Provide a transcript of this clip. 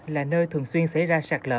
là nơi thường xuyên xảy ra sạt lỡ